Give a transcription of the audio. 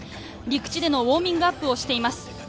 陸地でのウォーミングアップをしています。